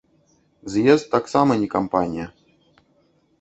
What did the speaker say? З'езд таксама не кампанія.